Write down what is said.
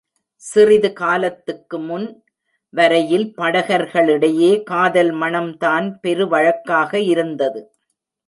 சிறிது காலத்துக்கு முன் வரையில் படகர்களிடையே காதல் மணம்தான் பெரு வழக்காக இருந்தது.